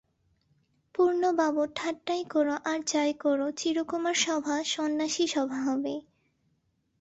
পূর্ণবাবু, ঠাট্টাই কর আর যাই কর, চিরকুমার-সভা সন্ন্যাসীসভা হবেই।